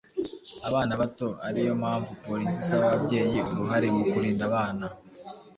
abana bato ariyo mpamvu Polisi isaba ababyeyi uruhare mu kurinda abana